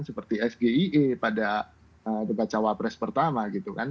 seperti sgie pada dekat cawapres pertama gitu kan